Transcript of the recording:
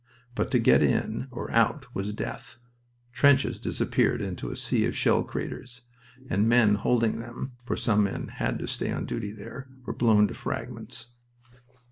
But to get in or out was death. Trenches disappeared into a sea of shell craters, and the men holding them for some men had to stay on duty there were blown to fragments.